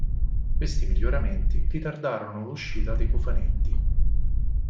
Questi miglioramenti ritardarono l'uscita dei cofanetti.